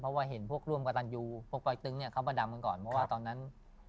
เพราะว่าเห็นพวกร่วมก็ตลอดยูแต่นี้เขาประดับด้วยก่อน